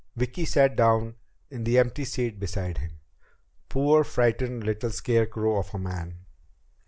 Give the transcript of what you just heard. Vicki sat down in the empty seat beside him. Poor, frightened little scarecrow of a man!